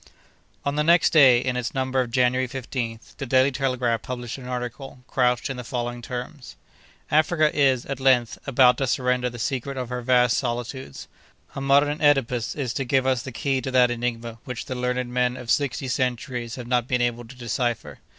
On the next day, in its number of January 15th, the Daily Telegraph published an article couched in the following terms: "Africa is, at length, about to surrender the secret of her vast solitudes; a modern Œdipus is to give us the key to that enigma which the learned men of sixty centuries have not been able to decipher.